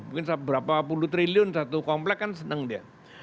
mungkin berapa puluh triliun satu komplek kan senang dia